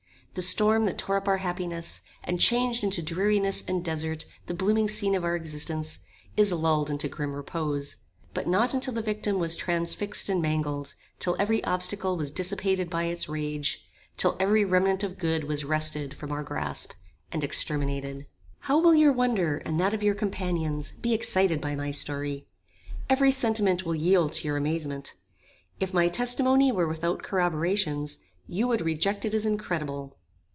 The storm that tore up our happiness, and changed into dreariness and desert the blooming scene of our existence, is lulled into grim repose; but not until the victim was transfixed and mangled; till every obstacle was dissipated by its rage; till every remnant of good was wrested from our grasp and exterminated. How will your wonder, and that of your companions, be excited by my story! Every sentiment will yield to your amazement. If my testimony were without corroborations, you would reject it as incredible.